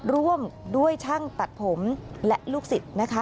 ร่วมด้วยช่างตัดผมและลูกศิษย์นะคะ